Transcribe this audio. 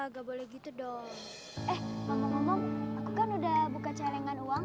kado nih itu kan sepeda aku bodo ama ama gimana tuh mana harus mengalah tapi